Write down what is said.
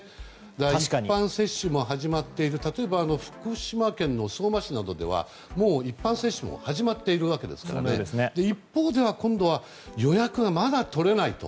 一般接種も始まっている例えば福島県の相馬市などではもう一般接種も始まっているわけですから一方で今度は予約がまだ取れないと。